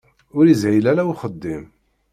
Ur ishil ara i uxeddim.